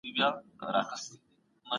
د پانګي تولید په بازار کي لیدل کیږي.